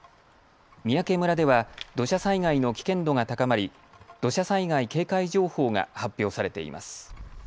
三宅村では土砂災害の危険度が高まり、土砂災害警戒情報が発表されています。